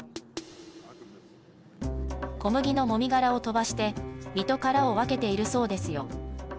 小麦のもみ殻を飛ばして実と殻を分けているそうですよ